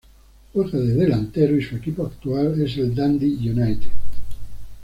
Juega de delantero y su equipo actual es el Dundee United.